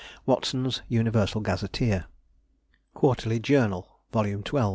Watson's Universal Gazetteer. Quarterly Journal, Vol. XII.